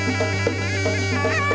mereka akan menjelaskan kekuatan mereka